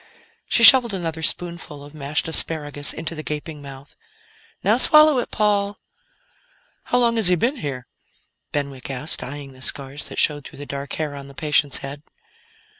She shoveled another spoonful of mashed asparagus into the gaping mouth. "Now swallow it, Paul." "How long has he been here?" Benwick asked, eyeing the scars that showed through the dark hair on the patient's head.